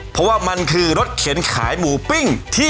เพราะว่ามันคือรถเข็นขายหมูปิ้งที่